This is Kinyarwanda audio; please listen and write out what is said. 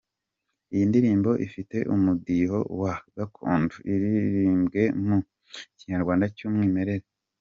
Iyi indirimbo ifite umudiho wa gakondo, iririmbwe mu Kinyarwanda cy’umwimerere.